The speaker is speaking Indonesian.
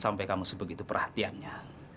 sampai kamu sebegitu perhatiannya